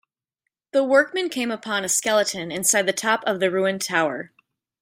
The workmen came upon a skeleton inside the top of the ruined tower.